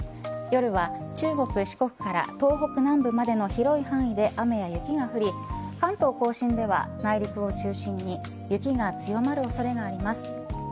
夜は中国、四国から東北南部までの広い範囲で雨や雪が降り関東甲信では内陸を中心に雪が強まる恐れがあります。